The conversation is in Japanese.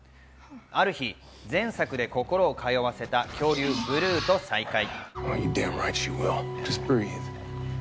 ある日、前作で心を通わせた恐竜・ブルーと再会。